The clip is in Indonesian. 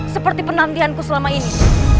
seperti penantihanku selama ini